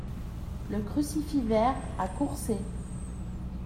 Le Crucifix Vert à Courçay